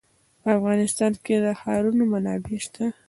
په افغانستان کې د ښارونه منابع شته.